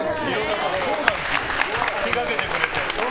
手がけてくれて。